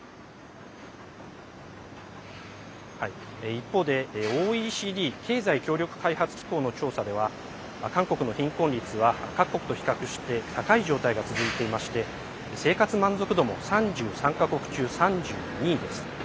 一方でＯＥＣＤ＝経済協力開発機構の調査では韓国の貧困率は、各国と比較して高い状態が続いていまして生活満足度も３３か国中３２位です。